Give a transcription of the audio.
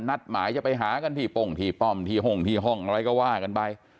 นัดหมายจะไปหากันที่ป่มที่ห้องอะไรก็ว่ากันไป